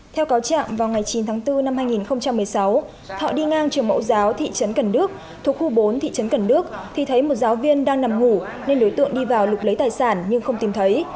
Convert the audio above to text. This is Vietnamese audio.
theo cáo trạng vào ngày chín tháng bốn năm hai nghìn một mươi sáu thọ đi ngang trường mẫu giáo thị trấn cần đước thuộc khu bốn thị trấn cần đước thì thấy một giáo viên đang nằm ngủ nên đối tượng đi vào lục lấy tài sản nhưng không tìm thấy